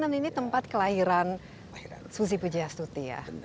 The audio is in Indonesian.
dan ini tempat kelahiran susi pujastuti ya